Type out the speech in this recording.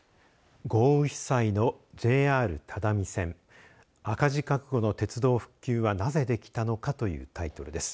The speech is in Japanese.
豪雨被災のＪＲ只見線赤字覚悟の鉄道復旧はなぜできたのかというタイトルです。